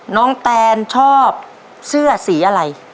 แตนชอบเสื้อสีอะไร